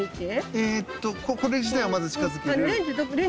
えっとこれ自体をまず近づける。